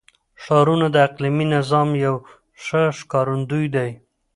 ښارونه د اقلیمي نظام یو ښه ښکارندوی دی.